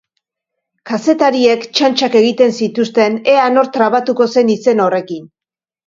Kazetariek txantxak egiten zituzten ea nor trabatuko zen izen horrekin.